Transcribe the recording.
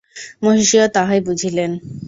মহিষীও তাহাই বুঝিলেন!